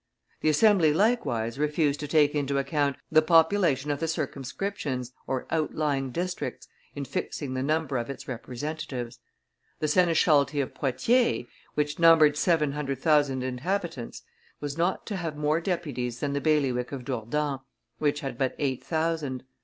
The Assembly likewise refused to take into account the population of the circumscriptions (outlying districts) in fixing the number of its representatives; the seneschalty of Poitiers, which numbered seven hundred thousand inhabitants, was not to have more deputies than the bailiwick of Dourdan, which had but eight thousand.